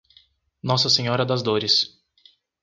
Nossa Senhora das Dores